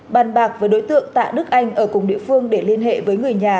bàn bạc với đối tượng tạ đức anh ở cùng địa phương để liên hệ với người nhà